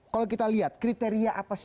kalau kita lihat kriteria apa sih